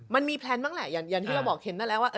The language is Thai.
มันมีแพลนบ้างแหละอย่างที่เราบอกเห็นได้แล้วว่า